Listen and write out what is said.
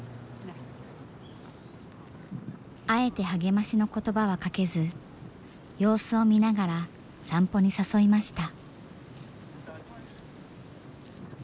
あえて励ましの言葉はかけず様子を見ながら散歩に誘いました。